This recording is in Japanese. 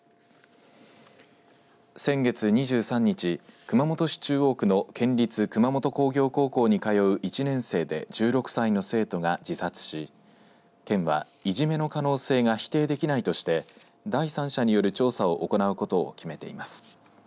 先月２３日熊本市中央区の県立熊本工業高校に通う１年生で１６歳の生徒が自殺し県は、いじめの可能性が否定できないとして第三者による調査を行うことを決めています。